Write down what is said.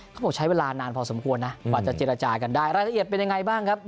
เขาบอกใช้เวลานานพอสมควรนะกว่าจะเจรจากันได้รายละเอียดเป็นยังไงบ้างครับ